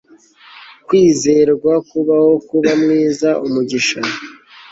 kwizerwa-kubaho, kuba-mwiza, umugisha